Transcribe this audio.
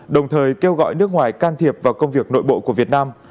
đồng thời kêu gọi nước ngoài can thiệp vào công việc nội bộ của việt nam